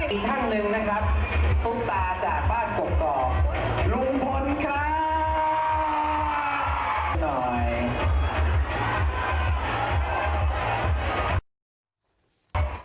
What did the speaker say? อีกท่านหนึ่งนะครับซุ้มตาจากบ้านกกอกลุงพลครับ